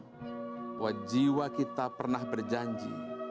bahwa jiwa kita pernah berjanji